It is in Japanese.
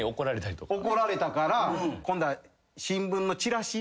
怒られたから今度は。